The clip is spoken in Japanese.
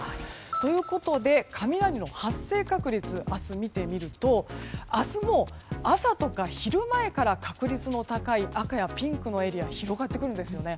ということで明日の雷の発生確率を見てみると明日の朝とか昼前から確率の高い赤やピンクのエリアが広がってくるんですよね。